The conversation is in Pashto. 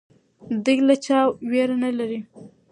دی له چا ویره نه لري.